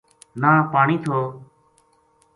نہ پانی تھو